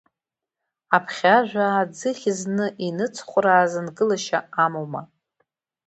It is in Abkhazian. Аԥхьажәа аӡыхь зны иныҵхәрааз нкылашьа амоума!